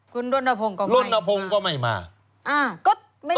คุณรณพงษ์ก็ไม่มาอ่าก็ไม่ตกสถิติ